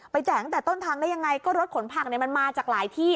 แจกตั้งแต่ต้นทางได้ยังไงก็รถขนผักเนี่ยมันมาจากหลายที่